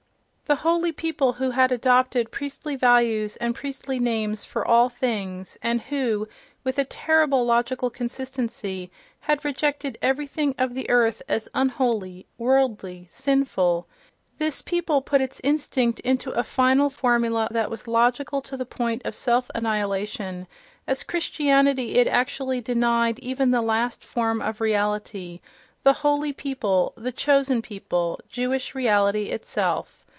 The "holy people," who had adopted priestly values and priestly names for all things, and who, with a terrible logical consistency, had rejected everything of the earth as "unholy," "worldly," "sinful"—this people put its instinct into a final for mula that was logical to the point of self annihilation: as Christianity it actually denied even the last form of reality, the "holy people," the "chosen people," Jewish reality itself.